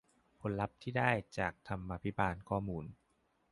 ผลลัพธ์ที่ได้จากธรรมาภิบาลข้อมูล